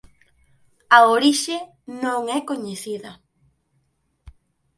A orixe non é coñecida.